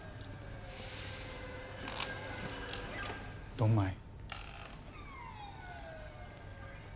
ドンマイ。